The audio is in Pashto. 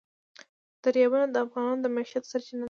دریابونه د افغانانو د معیشت سرچینه ده.